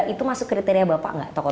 itu masuk kriteria bapak gak